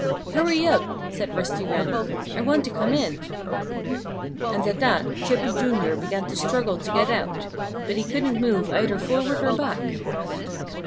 "Hurry up!" said Rusty Wren. "I want to come in." And at that Chippy, Jr., began to struggle to get out. But he couldn't move either forward or back.